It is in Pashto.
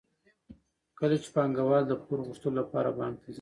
کله چې پانګوال د پور غوښتلو لپاره بانک ته ځي